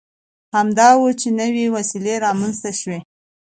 همدا و چې نوې وسیلې رامنځته شوې.